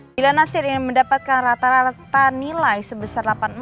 bila nasir mendapatkan rata rata nilai sebesar delapan empat